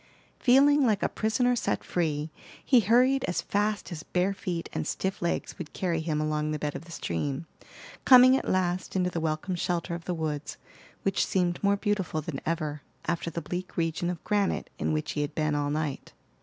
Feeling like a prisoner set free, he hurried as fast as bare feet and stiff legs would carry him along the bed of the stream, coming at last into the welcome shelter of the woods, which seemed more beautiful than ever, after the bleak region of granite in which he had been all night.